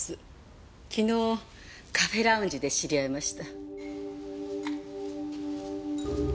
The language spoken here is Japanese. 昨日カフェラウンジで知り合いました。